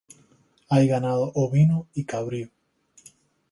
Hay ganado ovino y cabrío.